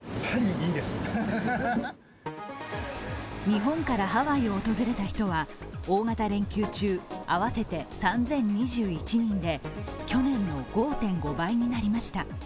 日本からハワイを訪れた人は大型連休中、合わせて３０２１人で去年の５．５倍になりました。